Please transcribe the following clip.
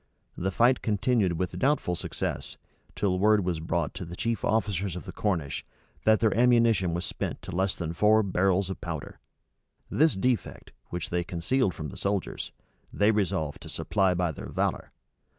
The fight continued with doubtful success, till word was brought to the chief officers of the Cornish, that their ammunition was spent to less than four barrels of powder. This defect, which they concealed from the soldiers, they resolved to supply by their valor.